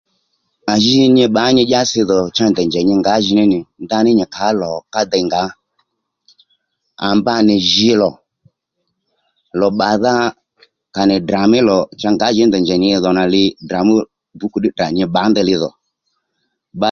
A ji nyi bbǎ nyi dyási dhò cha ndèy njèy nyi ngǎjìní nì ndaní nyì kàó lò ká dey ngǎ à mba nì jǐ lò, lò bbàdha à nì Ddrà mí lò cha ngǎjìní ndèy njèy nyidhò nì li Ddrà mí bǔkù ddí tdrà nyi bbǎ ndeyli dhò